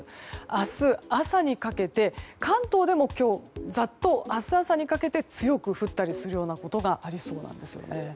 明日朝にかけて関東でも今日ざっと強く降ったりするようなことがありそうです。